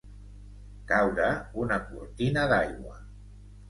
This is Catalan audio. Caure una cortina d'aigua.